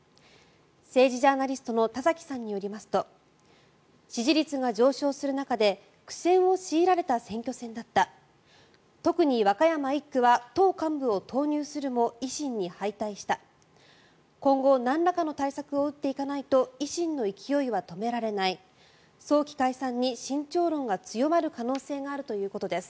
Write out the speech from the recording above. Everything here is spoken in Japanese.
政治ジャーナリストの田崎さんによりますと支持率が上昇する中で苦戦を強いられた選挙戦だった特に和歌山１区は党幹部を投入するも維新に敗退した今後、なんらかの対策を打っていかないと維新の勢いは止められない早期解散に慎重論が強まる可能性があるということです。